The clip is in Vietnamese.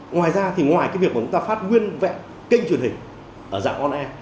ngoài ra thì ngoài việc chúng ta phát nguyên vẹn kênh truyền hình ở dạng on air